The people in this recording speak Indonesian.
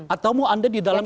atau mau anda di dalam